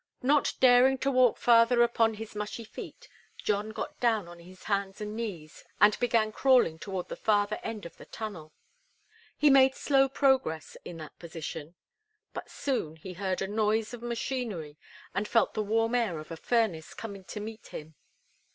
Not daring to walk farther upon his mushy feet, John got down on his hands and knees and began crawling toward the farther end of the tunnel. He made slow progress, in that position; but soon he heard a noise of machinery, and felt the warm air of a furnace coming to meet him.